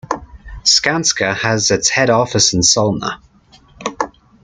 Skanska has its head office in Solna.